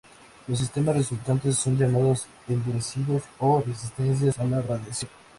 Los sistemas resultantes son llamados endurecidos o resistentes a la radiación.